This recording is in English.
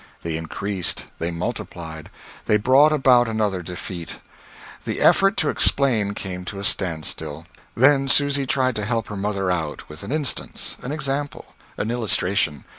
They increased; they multiplied; they brought about another defeat. The effort to explain came to a standstill. Then Susy tried to help her mother out with an instance, an example, an illustration.